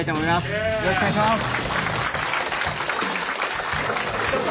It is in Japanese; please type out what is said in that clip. よろしくお願いします。